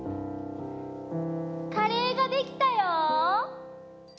・カレーができたよ！